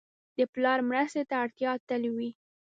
د پلار مرستې ته اړتیا تل وي.